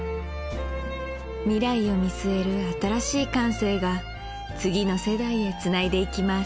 未来を見据える新しい感性が次の世代へつないでいきます